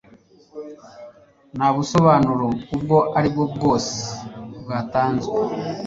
Nta busobanuro ubwo ari bwo bwose bwatanzwe.